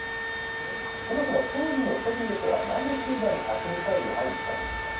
そもそも当時のソビエトはなぜキューバに核ミサイルを配備したんでしょうか。